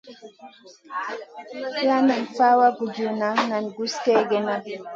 La nen fawa gurjuda nen guss kegena.